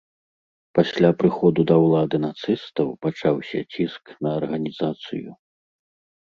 Пасля прыходу да ўлады нацыстаў пачаўся ціск на арганізацыю.